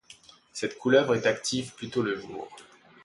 Cette couleuvre est active plutôt le jour.